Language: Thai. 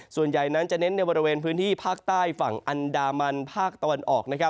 ส่วนใหญ่นั้นจะเน้นในบริเวณพื้นที่ภาคใต้ฝั่งอันดามันภาคตะวันออก